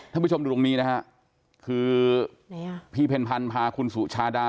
ท่านผู้ชมดูตรงนี้นะฮะคือไหนอ่ะพี่เพลพันธ์พาคุณสุชาดา